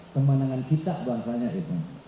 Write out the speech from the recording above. kemenangan kita bahasanya itu